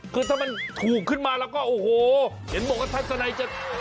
คือถ้ามันถูกขึ้นมาแล้วก็โอ้โหเห็นบอกว่าทัศนัยจะ